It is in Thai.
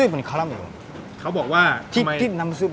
มันเกิดจากอะไร